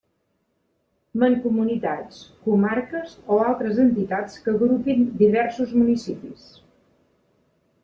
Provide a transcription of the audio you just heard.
Mancomunitats, comarques o altres entitats que agrupin diversos municipis.